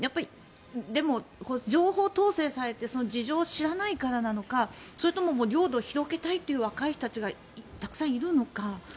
でも、情報統制されて事情を知らないからなのかそれとも領土を広げたいという若い人たちがたくさんいるのか。